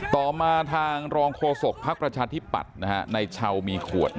ต่อมาทางรองโคศกภาคประชาธิบัติในเช่ามีขวด